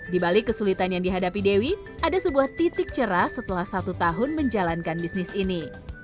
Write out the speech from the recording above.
di balik kesulitan yang dihadapi dewi ada sebuah titik cerah setelah satu tahun menjalankan bisnis ini